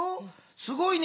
すごいね。